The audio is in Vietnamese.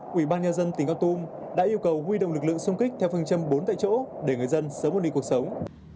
quỹ ban nhà dân tỉnh quang tum đã yêu cầu huy động lực lượng xung kích theo phần châm bốn tại chỗ để người dân sớm uống đi cuộc sống